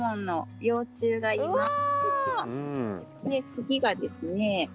次がですね。